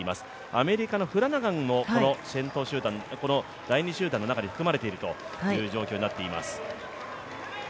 アメリカのフラナガンも第２集団の中に含まれているという状況になっています。